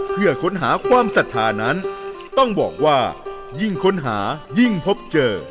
เพื่อค้นหาความศรัทธานั้นต้องบอกว่ายิ่งค้นหายิ่งพบเจอ